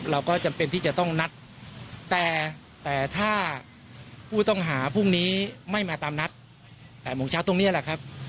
เราก็จำเป็นที่จะต้องนัดแต่แต่ถ้าผู้ต้องหาพรุ่งนี้ไม่มาตามนัด๘โมงเช้าตรงนี้แหละครับ